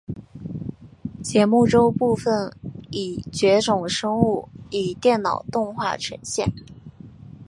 节目中部分已绝种生物以电脑动画呈现。